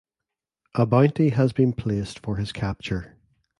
A bounty has been placed for his capture.